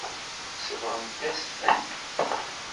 Sebɣent-as-ten.